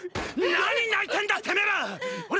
何泣いてんだてめぇら⁉オラ！！